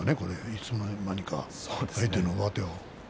いつの間にか相手の上手を。